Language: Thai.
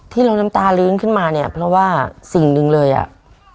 น้ำตาลื้นขึ้นมาเนี่ยเพราะว่าสิ่งหนึ่งเลยอ่ะ